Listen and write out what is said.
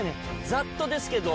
ざっとですけど。